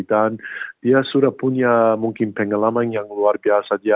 dia sudah punya mungkin pengalaman yang luar biasa